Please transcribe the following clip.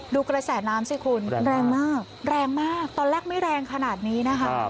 ดูกระแสน้ำสิคุณแรงมากแรงมากตอนแรกไม่แรงขนาดนี้นะคะ